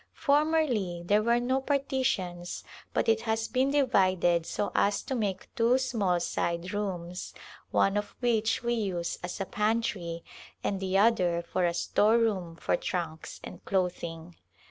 Formerly there were no partitions but it has been divided so as to make two small side rooms one of which we use as a pantry and the other for a store room for trunks and clothing.